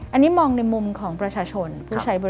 อันนี้มองในมุมของประชาชนผู้ใช้บริ